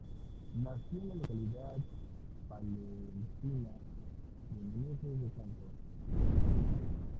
Nació en la localidad palentina de Meneses de Campos.